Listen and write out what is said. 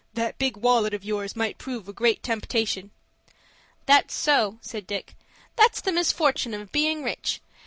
"That big wallet of yours might prove a great temptation." "That's so," said Dick. "That's the misfortin' of being rich.